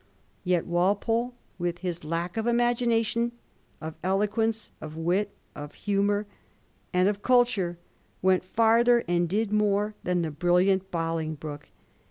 Yet Walpole, with his lack of imagination, of eloquence, of wit, of humour, and of culture, went farther and did more than the brilliant Bolingbroke.